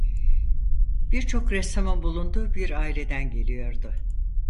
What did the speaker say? Birçok ressamın bulunduğu bir aileden geliyordu.